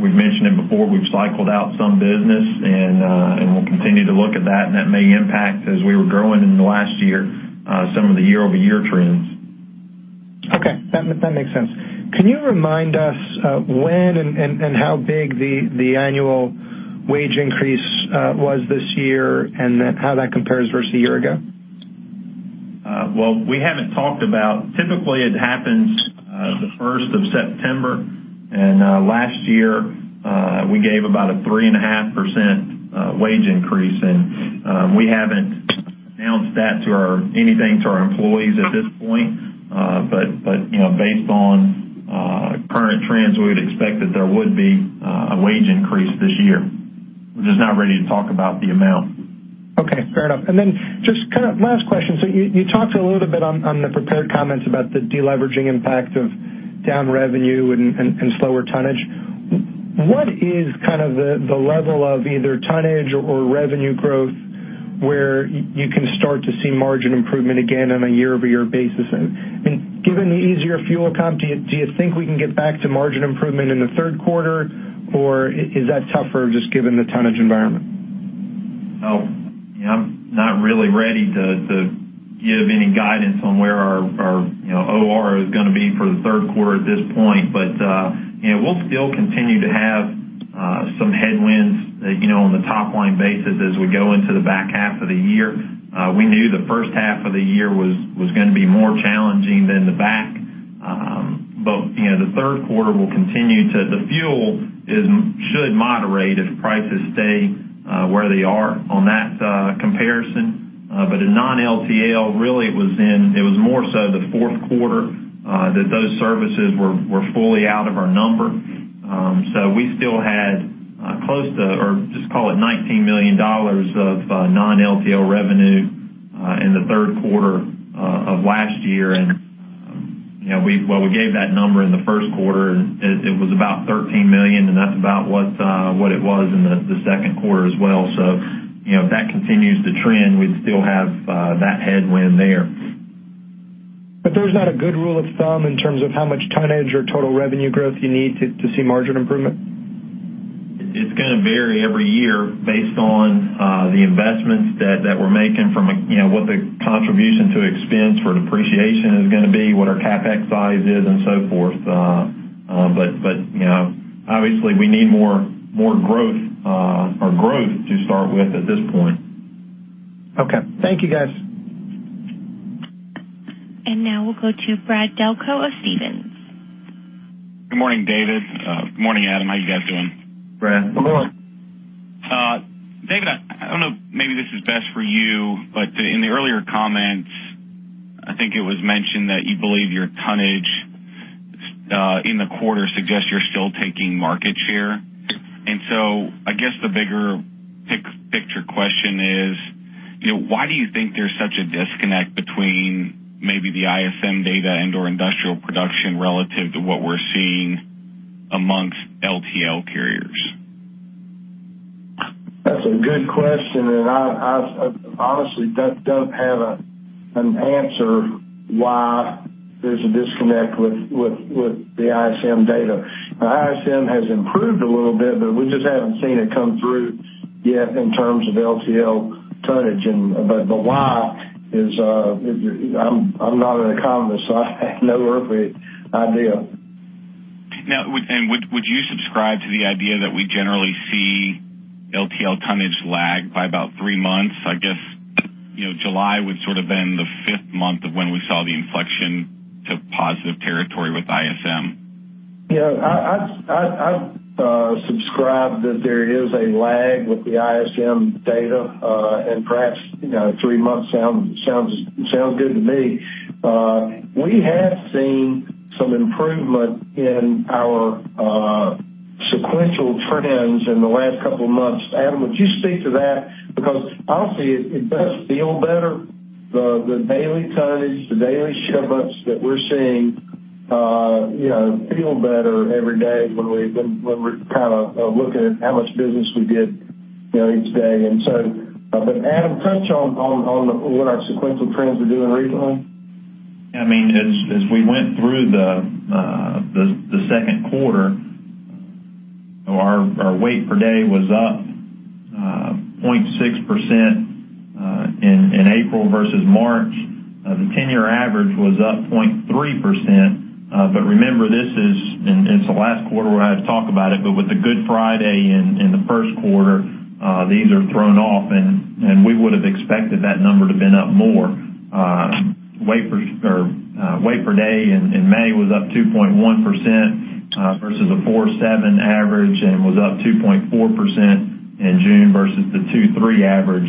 we've mentioned it before, we've cycled out some business, and we'll continue to look at that, and that may impact as we were growing in the last year, some of the year-over-year trends. Okay. That makes sense. Can you remind us when and how big the annual wage increase was this year, and then how that compares versus a year ago? Well, we haven't talked about Typically, it happens the 1st of September, and last year, we gave about a 3.5% wage increase. We haven't announced that anything to our employees at this point. Based on current trends, we would expect that there would be a wage increase this year. We're just not ready to talk about the amount. Just last question. You talked a little bit on the prepared comments about the deleveraging impact of down revenue and slower tonnage. What is the level of either tonnage or revenue growth where you can start to see margin improvement again on a year-over-year basis? Given the easier fuel comp, do you think we can get back to margin improvement in the third quarter, or is that tougher just given the tonnage environment? No. I'm not really ready to give any guidance on where our OR is going to be for the third quarter at this point. We'll still continue to have some headwinds on the top-line basis as we go into the back half of the year. We knew the first half of the year was going to be more challenging than the back. The fuel should moderate if prices stay where they are on that comparison. In non-LTL, really, it was more so the fourth quarter that those services were fully out of our number. We still had close to, or just call it $19 million of non-LTL revenue in the third quarter of last year. We gave that number in the first quarter, and it was about $13 million, and that's about what it was in the second quarter as well. If that continues to trend, we'd still have that headwind there. There's not a good rule of thumb in terms of how much tonnage or total revenue growth you need to see margin improvement? It's going to vary every year based on the investments that we're making from what the contribution to expense for depreciation is going to be, what our CapEx size is, and so forth. Obviously, we need more growth to start with at this point. Okay. Thank you, guys. Now we'll go to Brad Delco of Stephens. Good morning, David. Good morning, Adam. How you guys doing? Brad. Good morning. David, I don't know, maybe this is best for you, but in the earlier comments, I think it was mentioned that you believe your tonnage in the quarter suggests you're still taking market share. I guess the bigger picture question is, why do you think there's such a disconnect between maybe the ISM data and/or industrial production relative to what we're seeing amongst LTL carriers? That's a good question, and I honestly don't have an answer why there's a disconnect with the ISM data. Now, ISM has improved a little bit, but we just haven't seen it come through yet in terms of LTL tonnage. The why is, I'm not an economist, so I have no earthly idea. Now, would you subscribe to the idea that we generally see LTL tonnage lag by about three months? I guess July would sort of been the fifth month of when we saw the inflection to positive territory with ISM. Yeah. I'd subscribe that there is a lag with the ISM data, perhaps 3 months sounds good to me. We have seen some improvement in our sequential trends in the last couple of months. Adam, would you speak to that? Because honestly, it does feel better. The daily tonnage, the daily [shipments] that we're seeing feel better every day when we're looking at how much business we get each day. Adam, touch on what our sequential trends are doing recently. As we went through the 2Q, our weight per day was up 0.6% in April versus March. The 10-year average was up 0.3%. Remember, this is it's the last quarter where I had to talk about it, but with the Good Friday in the 1Q, these are thrown off, and we would have expected that number to have been up more. Waybill per day in May was up 2.1% versus a 4.7 average and was up 2.4% in June versus the 2.3 average.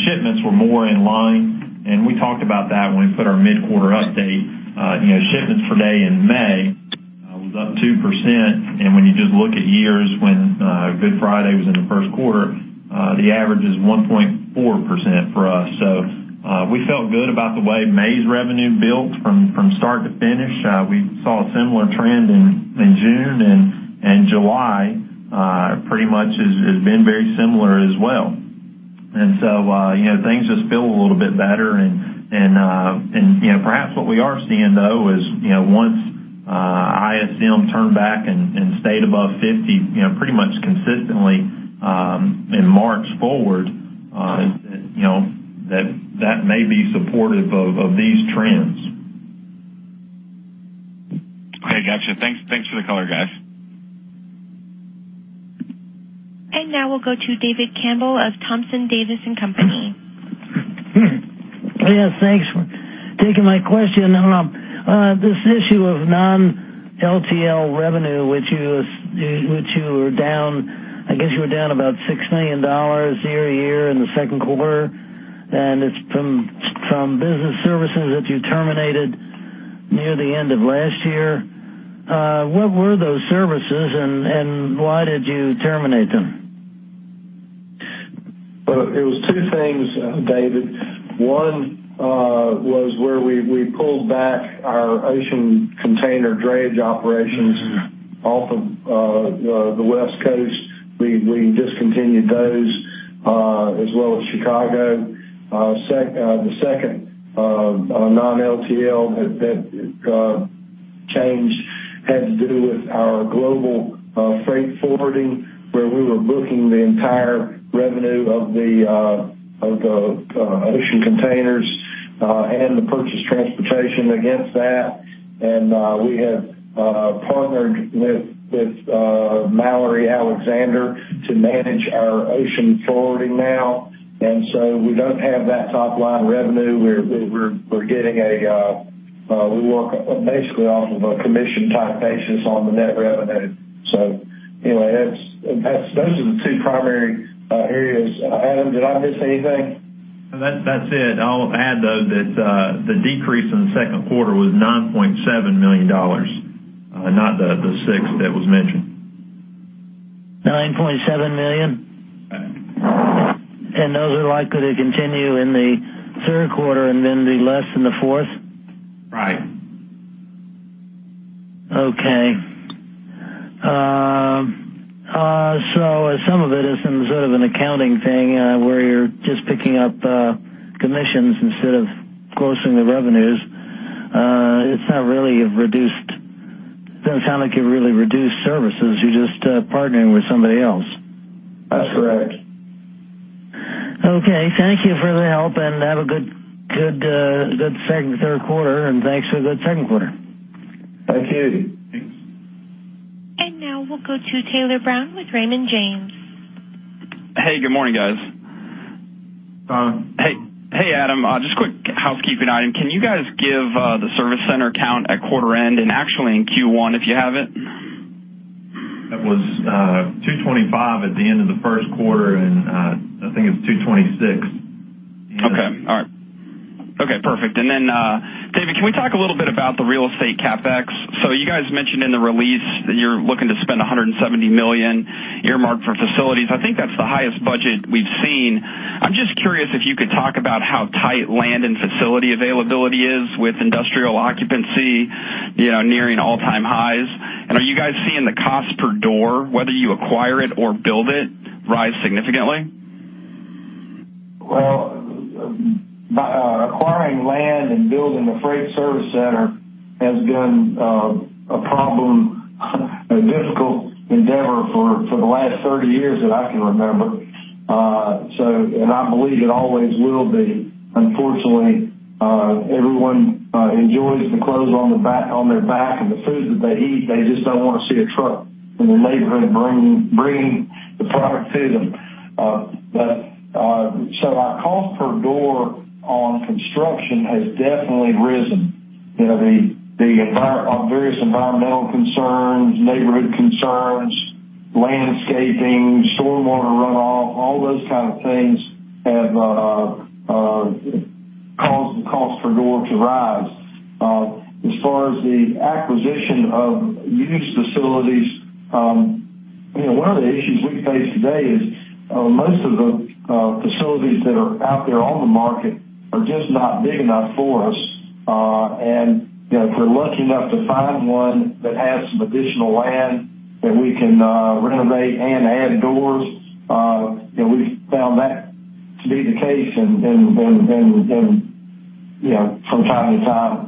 Shipments were more in line. We talked about that when we put our mid-quarter update. Shipments per day in May was up 2%. When you just look at years when Good Friday was in the 1Q, the average is 1.4% for us. We felt good about the way May's revenue built from start to finish. We saw a similar trend in June, and July pretty much has been very similar as well. Things just feel a little bit better. Perhaps what we are seeing, though, is once ISM turned back and stayed above 50 pretty much consistently in March forward, that may be supportive of these trends. Okay. Got you. Thanks for the color, guys. Now we'll go to David Campbell of Thompson Davis & Co. Yes. Thanks for taking my question. On this issue of non-LTL revenue, which you were down, I guess you were down about $6 million year-over-year in the second quarter. It's from business services that you terminated near the end of last year. What were those services, and why did you terminate them? Well, it was two things, David. One was where we pulled back our ocean container drayage operations off of the West Coast. We discontinued those, as well as Chicago. The second non-LTL change had to do with our global freight forwarding, where we were booking the entire revenue of the ocean containers and the purchase transportation against that. We have partnered with Mallory Alexander to manage our ocean forwarding now. We don't have that top-line revenue. We work basically off of a commission type basis on the net revenue. Those are the two primary areas. Adam, did I miss anything? That's it. I'll add, though, that the decrease in the second quarter was $9.7 million, not the six that was mentioned. $9.7 million? Right. Those are likely to continue in the third quarter and then be less in the fourth? Right. Okay. Some of it is sort of an accounting thing, where you're just picking up commissions instead of closing the revenues. It doesn't sound like you've really reduced services. You're just partnering with somebody else. That's correct. Okay. Thank you for the help, and have a good third quarter, and thanks for a good second quarter. Thank you. Thanks. Now we'll go to Tyler Brown with Raymond James. Hey, good morning, guys. Tom. Hey, Adam. Just quick housekeeping item. Can you guys give the service center count at quarter end, and actually in Q1, if you have it? That was 225 at the end of the first quarter, and I think it's 226. Okay. All right. Okay, perfect. David, can we talk a little bit about the real estate CapEx? You guys mentioned in the release that you're looking to spend $170 million earmarked for facilities. I think that's the highest budget we've seen. I'm just curious if you could talk about how tight land and facility availability is with industrial occupancy nearing all-time highs. Are you guys seeing the cost per door, whether you acquire it or build it, rise significantly? Well, acquiring land and building the freight service center has been a problem, a difficult endeavor for the last 30 years that I can remember. I believe it always will be. Unfortunately, everyone enjoys the clothes on their back and the food that they eat. They just don't want to see a truck in their neighborhood bringing the product to them. Our cost per door on construction has definitely risen. The various environmental concerns, neighborhood concerns, landscaping, stormwater runoff, all those kind of things have caused the cost per door to rise. As far as the acquisition of used facilities, one of the issues we face today is most of the facilities that are out there on the market are just not big enough for us. If we're lucky enough to find one that has some additional land that we can renovate and add doors, we've found that to be the case from time to time.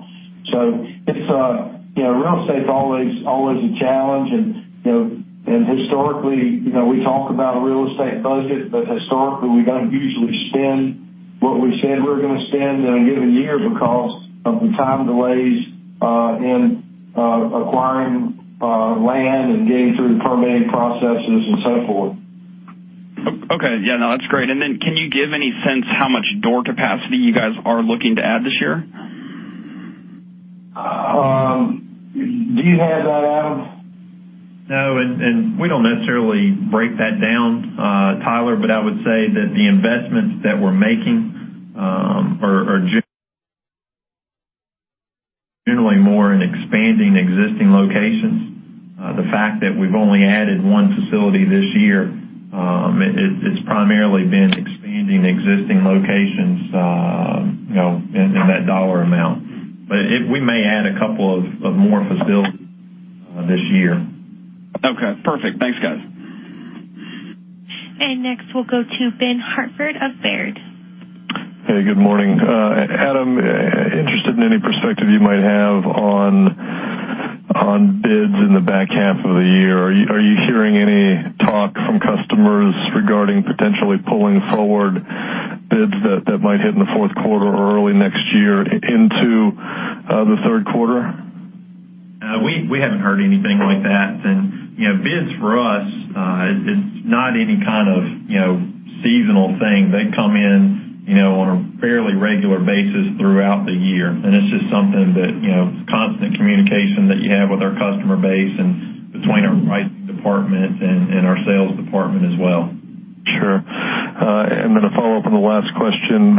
Real estate's always a challenge. Historically, we talk about a real estate budget, historically, we don't usually spend What we said we were going to spend in a given year because of the time delays in acquiring land and getting through the permitting processes and so forth. Okay. Yeah, no, that's great. Can you give any sense how much door capacity you guys are looking to add this year? Do you have that, Adam? No, we don't necessarily break that down, Tyler, I would say that the investments that we're making are generally more in expanding existing locations. The fact that we've only added one facility this year, it's primarily been expanding existing locations in that dollar amount. We may add a couple of more facilities this year. Okay, perfect. Thanks, guys. Next, we'll go to Ben Hartford of Baird. Hey, good morning. Adam, interested in any perspective you might have on bids in the back half of the year. Are you hearing any talk from customers regarding potentially pulling forward bids that might hit in the fourth quarter or early next year into the third quarter? We haven't heard anything like that. Bids for us, it's not any kind of seasonal thing. They come in on a fairly regular basis throughout the year. It's just something that, constant communication that you have with our customer base and between our pricing department and our sales department as well. Sure. Then a follow-up on the last question.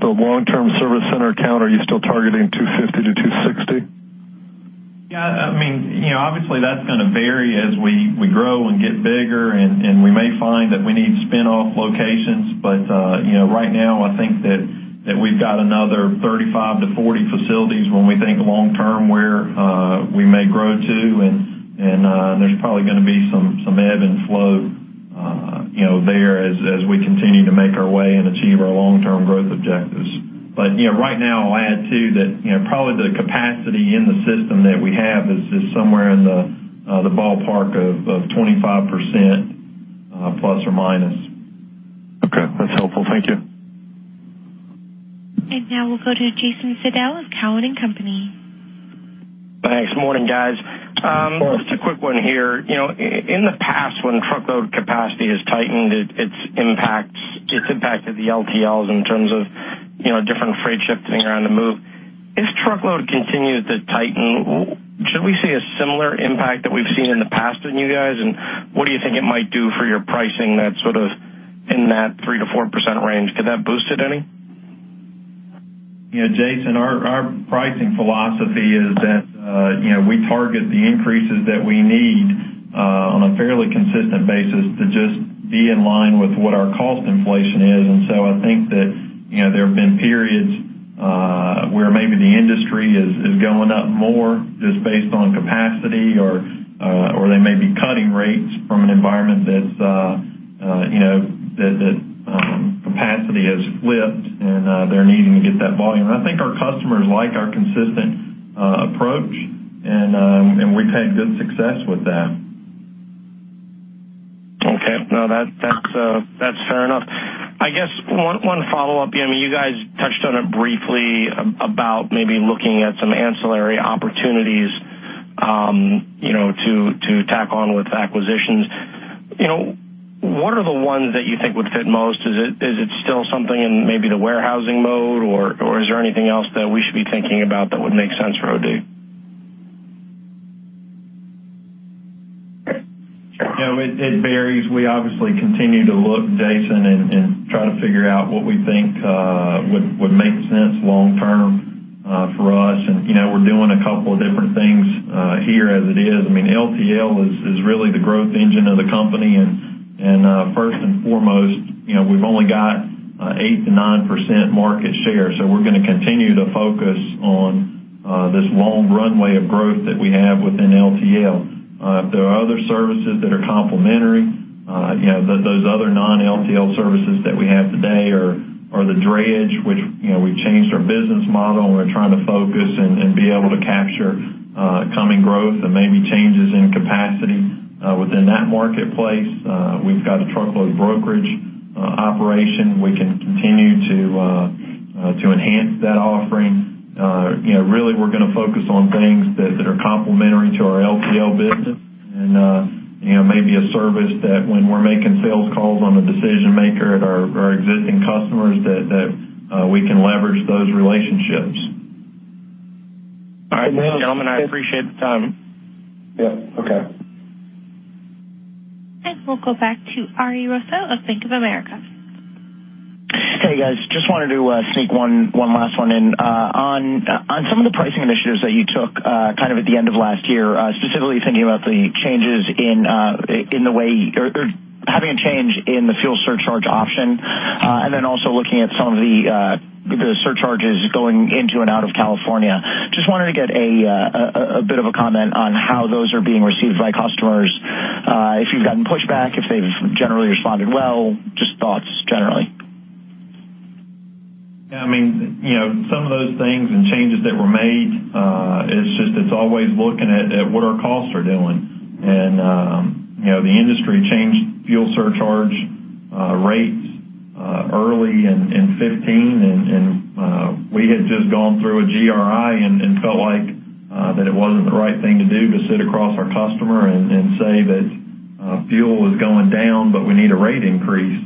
The long-term service center count, are you still targeting 250-260? Yeah. Obviously, that's going to vary as we grow and get bigger, and we may find that we need spin-off locations. Right now, I think that we've got another 35 to 40 facilities when we think long term where we may grow to, and there's probably going to be some ebb and flow there as we continue to make our way and achieve our long-term growth objectives. Right now, I'll add, too, that probably the capacity in the system that we have is somewhere in the ballpark of 25%, plus or minus. Okay. That's helpful. Thank you. Now we'll go to Jason Seidl of Cowen and Company. Thanks. Morning, guys. Morning. Just a quick one here. In the past, when truckload capacity has tightened, it's impacted the LTLs in terms of different freight shifting around the move. If truckload continues to tighten, should we see a similar impact that we've seen in the past in you guys? What do you think it might do for your pricing that's sort of in that 3%-4% range? Could that boost it any? Jason, our pricing philosophy is that we target the increases that we need on a fairly consistent basis to just be in line with what our cost inflation is. I think that there have been periods where maybe the industry is going up more just based on capacity, or they may be cutting rates from an environment that capacity has flipped and they're needing to get that volume. I think our customers like our consistent approach, and we've had good success with that. Okay. No, that's fair enough. I guess one follow-up, you guys touched on it briefly about maybe looking at some ancillary opportunities to tack on with acquisitions. What are the ones that you think would fit most? Is it still something in maybe the warehousing mode, or is there anything else that we should be thinking about that would make sense for OD? It varies. We obviously continue to look, Jason, and try to figure out what we think would make sense long term for us. We're doing a couple of different things here as it is. LTL is really the growth engine of the company, and first and foremost, we've only got 8%-9% market share. We're going to continue to focus on this long runway of growth that we have within LTL. There are other services that are complementary. Those other non-LTL services that we have today are the drayage, which we've changed our business model, and we're trying to focus and be able to capture coming growth and maybe changes in capacity within that marketplace. We've got a truckload brokerage operation. We can continue to enhance that offering. Really, we're going to focus on things that are complementary to our LTL business and maybe a service that when we're making sales calls on the decision maker at our existing customers, that we can leverage those relationships. All right. Gentlemen, I appreciate the time. Yeah. Okay. We'll go back to Ari Rosa of Bank of America. Hey, guys. Just wanted to sneak one last one in. On some of the pricing initiatives that you took at the end of last year, specifically thinking about the changes in the way, or having a change in the fuel surcharge option. Also looking at some of the surcharges going into and out of California. Just wanted to get a bit of a comment on how those are being received by customers. If you've gotten pushback, if they've generally responded well, just thoughts generally. Yeah. Some of those things and changes that were made, it's just always looking at what our costs are doing. The industry changed fuel surcharge rates early in 2015, and we had just gone through a GRI and felt like that it wasn't the right thing to do to sit across our customer and say that fuel is going down, but we need a rate increase.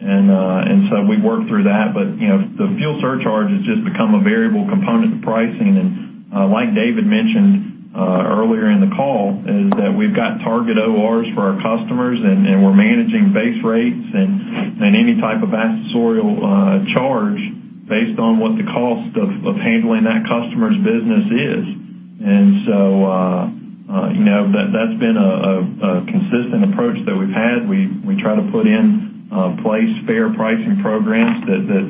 We worked through that. The fuel surcharge has just become a variable component to pricing. Like David mentioned earlier in the call, is that we've got target ORs for our customers, and we're managing base rates and any type of accessorial charge based on what the cost of handling that customer's business is. That's been a consistent approach that we've had. We try to put in place fair pricing programs that's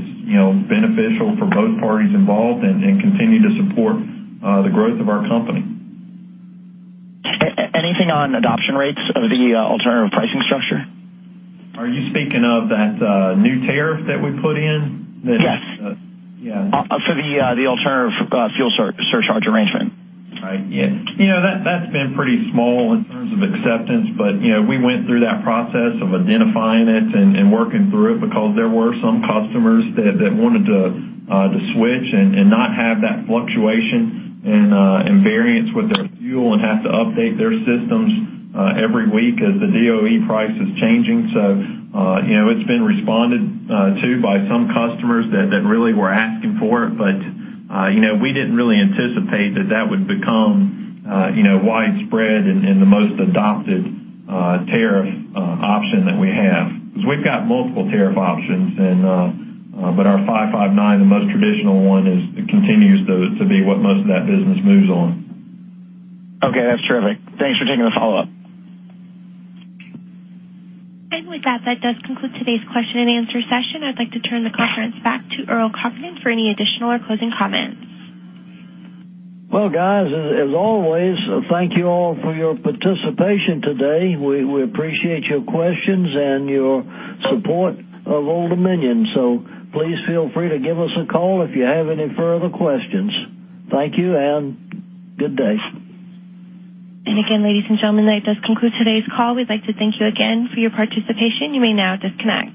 beneficial for both parties involved and continue to support the growth of our company. Anything on adoption rates of the alternative pricing structure? Are you speaking of that new tariff that we put in? Yes. Yeah. For the alternative fuel surcharge arrangement. Right. Yeah. That's been pretty small in terms of acceptance. We went through that process of identifying it and working through it because there were some customers that wanted to switch and not have that fluctuation and variance with their fuel and have to update their systems every week as the DOE price is changing. It's been responded to by some customers that really were asking for it. We didn't really anticipate that that would become widespread and the most adopted tariff option that we have. We've got multiple tariff options, but our 559, the most traditional one, continues to be what most of that business moves on. Okay. That's terrific. Thanks for taking the follow-up. With that does conclude today's question and answer session. I'd like to turn the conference back to Earl Congdon for any additional or closing comments. Well, guys, as always, thank you all for your participation today. We appreciate your questions and your support of Old Dominion. Please feel free to give us a call if you have any further questions. Thank you and good day. Again, ladies and gentlemen, that does conclude today's call. We'd like to thank you again for your participation. You may now disconnect.